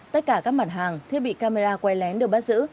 tất cả các mặt hàng thiết bị camera quay lén được bắt giữ